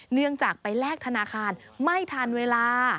เนื่องจากไปแลกธนาคารไม่ทันเวลา